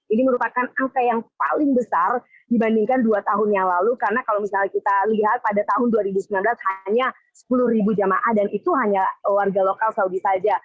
ini merupakan angka yang paling besar dibandingkan dua tahun yang lalu karena kalau misalnya kita lihat pada tahun dua ribu sembilan belas hanya sepuluh jamaah dan itu hanya warga lokal saudi saja